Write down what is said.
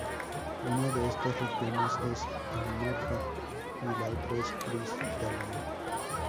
Una de estas regiones es amorfa y la otra es cristalina.